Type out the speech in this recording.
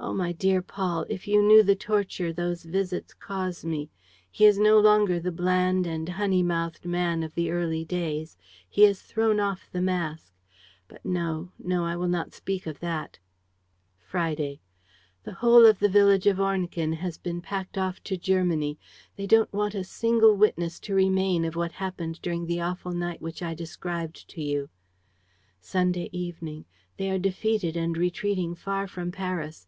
... "Oh, my dear Paul, if you knew the torture those visits cause me! ... He is no longer the bland and honey mouthed man of the early days. He has thrown off the mask. ... But, no, no, I will not speak of that! ... "Friday. "The whole of the village of Ornequin has been packed off to Germany. They don't want a single witness to remain of what happened during the awful night which I described to you. "Sunday evening. "They are defeated and retreating far from Paris.